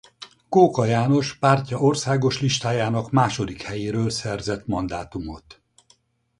Kóka János pártja országos listájának második helyéről szerzett mandátumot.